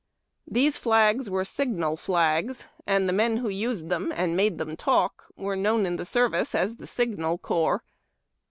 These flags were Signal flags, and the men who used them and made them talk were known in the service as the Signal Corps.